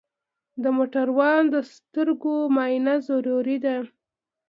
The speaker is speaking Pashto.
د موټروان د سترګو معاینه ضروري ده.